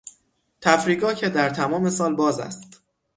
تفریحگاه که در تمام سال باز است.